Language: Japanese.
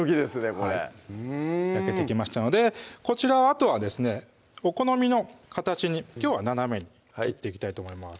これうん焼けてきましたのでこちらをあとはですねお好みの形にきょうは斜めに切っていきたいと思います